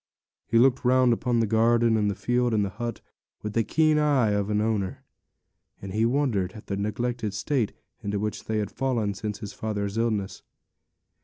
He looked round upon the garden, and the field, and the hut, with the keen eye of an owner; and he wondered at the neglected state into which they had fallen since his father's illness.